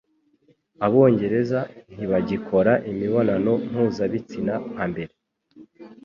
Abongereza 'ntibagikora imibonano mpuzabitsina' nka mbere